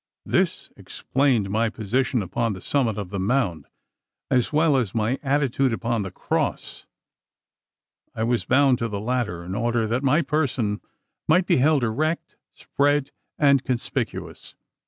This explained my position upon the summit of the mound, as well as my attitude upon the cross. I was bound to the latter, in order that my person might be held erect, spread, and conspicuous.